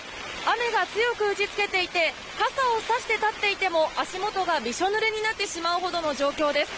雨が強く打ちつけていて傘をさして立っていても足元がびしょぬれになってしまうほどの状況です。